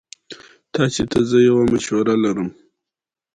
City also win the fourth grade competition after going undefeated.